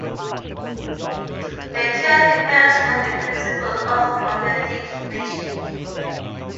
The cure depends on the principle of homeopathic magic.